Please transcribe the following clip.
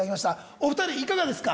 お２人いかがですか？